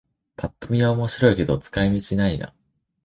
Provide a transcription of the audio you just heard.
ぱっと見は面白いけど使い道ないな